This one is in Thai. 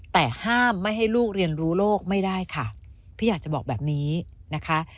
แต่ห้ามไม่ให้ลูกเรียนรู้โลกไม่ได้ค่ะพี่อยากจะบอกแบบนี้นะคะ